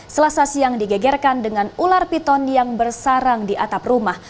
selasa siang digegerkan dengan ular piton yang bersarang di atap rumah